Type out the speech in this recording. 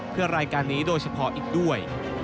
เพื่อรายการนี้โดยเฉพาะอีกด้วย